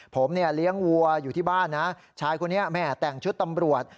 ผมเนี่ยเลี้ยงวัวอยู่ที่บ้านนะชายคนนี้แม่แต่งชุดตำรวจ